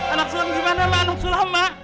anak sulam gimana lah anak sulam mak